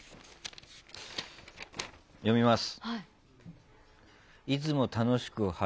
読みます。